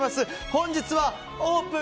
本日はオープン！